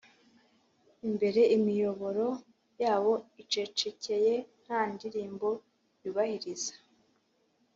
imbere imiyoboro yabo icecekeye nta ndirimbo yubahiriza